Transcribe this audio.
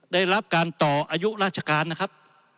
ได้รับการต่ออายุราชการนะครับ